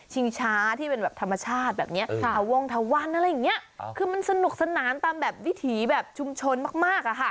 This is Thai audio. ช้าที่เป็นแบบธรรมชาติแบบนี้ทะวงทะวันอะไรอย่างนี้คือมันสนุกสนานตามแบบวิถีแบบชุมชนมากอะค่ะ